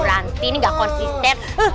ranti ini enggak konsisten